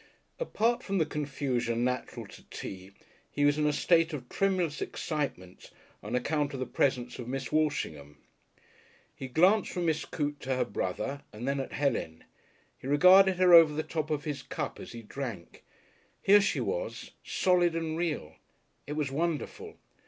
Apart from the confusion natural to tea, he was in a state of tremulous excitement on account of the presence of Miss Walshingham. He glanced from Miss Coote to her brother and then at Helen. He regarded her over the top of his cup as he drank. Here she was, solid and real. It was wonderful.